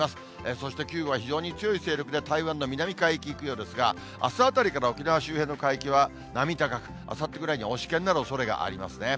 そして９号は非常に強い勢力で台湾の南海域にいくようですが、あすあたりから沖縄周辺の海域は、波高く、あさってくらいからは、大しけになるおそれがありますね。